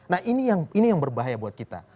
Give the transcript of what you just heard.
nah ini yang berbahaya buat kita